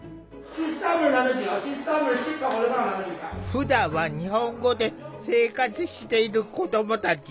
ふだんは日本語で生活している子どもたち。